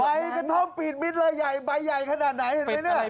ใบกระท่อมปีดมิสใบใหญ่ขนาดไหนเห็นไหมเนี่ย